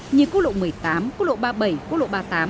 như cốt lộ một mươi tám cốt lộ ba mươi bảy cốt lộ ba mươi tám